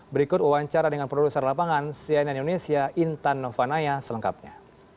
berikut wawancara dengan produser lapangan cnn indonesia intan novanaya selengkapnya